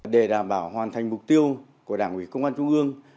để đảm bảo hoàn thành mục tiêu của đảng ủy công an trung ương